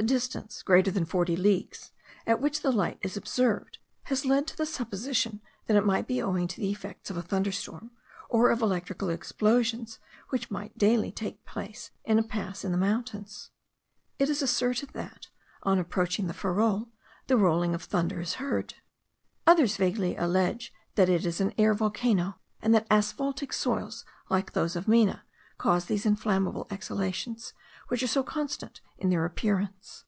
The distance, greater than 40 leagues, at which the light is observed, has led to the supposition that it might be owing to the effects of a thunderstorm, or of electrical explosions which might daily take place in a pass in the mountains. It is asserted that, on approaching the farol, the rolling of thunder is heard. Others vaguely allege that it is an air volcano, and that asphaltic soils, like those of Mena, cause these inflammable exhalations which are so constant in their appearance.